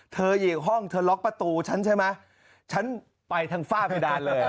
เธออยู่อีกห้องเธอล็อกประตูฉันใช่ไหมฉันไปทั้งฝ้าไม่ได้เลย